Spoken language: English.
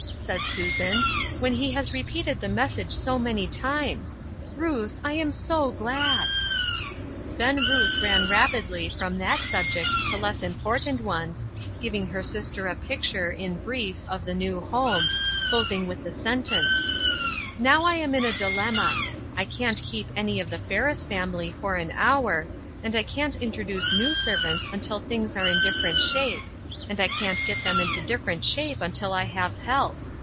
"said Susan, "when he has repeated the message so many times. Ruth. I am 80 glad !" Then Ruth ran rapidly from that subject to less important ones, giving her sister a picture, in brief, of the new home, closing with the sen tence: " Now I am in a dilemma. I can't keep any of the Ferris family for an hour, and I can't introduce new servants until things are in dif ferent shape, and I can't get them into different shape until I have help.